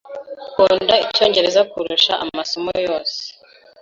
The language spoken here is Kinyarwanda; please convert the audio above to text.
Nkunda Icyongereza kurusha amasomo yose.